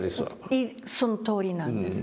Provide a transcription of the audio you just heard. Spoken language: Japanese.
そのとおりなんです。